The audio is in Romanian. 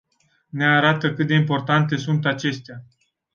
Ne arată cât de importante sunt acestea.